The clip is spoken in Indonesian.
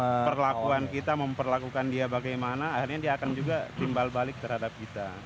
karena perlakuan kita memperlakukan dia bagaimana akhirnya dia akan juga timbal balik terhadap kita